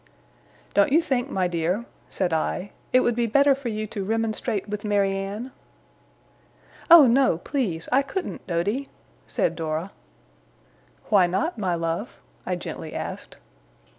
'Don't you think, my dear,' said I, 'it would be better for you to remonstrate with Mary Anne?' 'Oh no, please! I couldn't, Doady!' said Dora. 'Why not, my love?' I gently asked.